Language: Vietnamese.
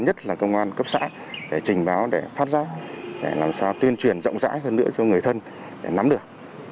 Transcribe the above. nhất là công an cấp xã để trình báo để phát giác để làm sao tuyên truyền rộng rãi hơn nữa cho người thân để nắm được